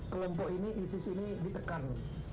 kelompok ini isis ini ditekan